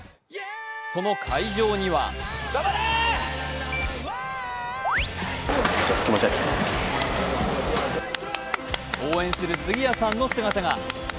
その会場には応援する杉谷さんの姿が。